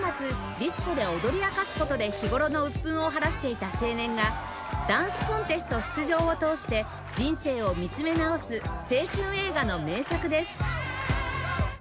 ディスコで踊り明かす事で日頃の鬱憤を晴らしていた青年がダンスコンテスト出場を通して人生を見つめ直す青春映画の名作です